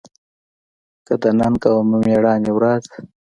کې د ننګ او مېړانې ورځ